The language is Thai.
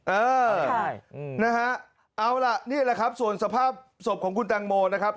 เออใช่นะฮะเอาล่ะนี่แหละครับส่วนสภาพศพของคุณตังโมนะครับ